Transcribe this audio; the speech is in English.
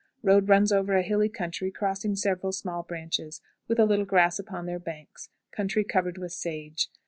Road runs over a hilly country, crossing several small branches, with a little grass upon their banks; country covered with sage.